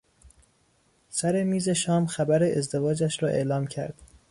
سر میز شام خبر ازدواجش را اعلام کرد.